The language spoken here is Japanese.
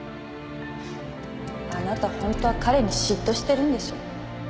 あなた本当は彼に嫉妬してるんでしょ。